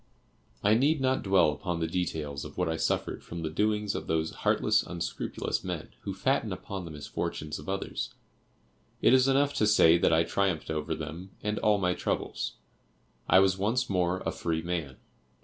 I need not dwell upon the details of what I suffered from the doings of those heartless, unscrupulous men who fatten upon the misfortunes of others. It is enough to say that I triumphed over them and all my troubles. I was once more a free man.